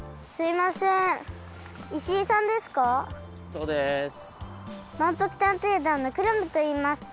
まんぷく探偵団のクラムといいます。